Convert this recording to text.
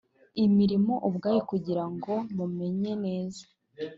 imirimo ubwayo kugira ngo mumenye neza